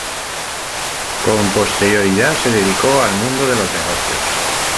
Con posterioridad se dedicó al mundo de los negocios.